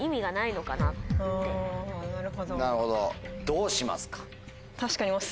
どうしますか？